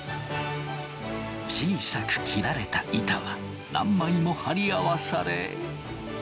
小さく切られた板は何枚も貼り合わされ。